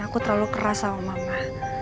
aku terlalu keras sama mama